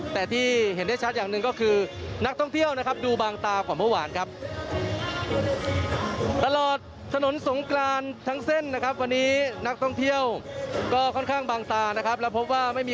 แต่ที่เห็นได้ชัดอย่างหนึ่งก็คือนักท่องเที่ยวนะครับดูบางตากว่าเมื่อวานครับ